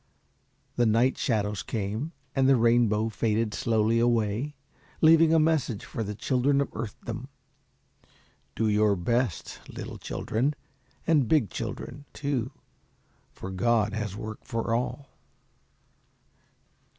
The night shadows came, and the rainbow faded slowly away, leaving a message for the children of Earthdom. "Do your best, little children, and big children, too, for God has work for all."